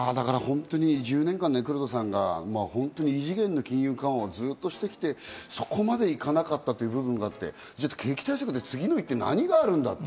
１０年間、黒田さんが異次元の金融緩和をずっとしてきて、そこまで行かなかったという部分があって、景気対策、次の一手に何があるんだ？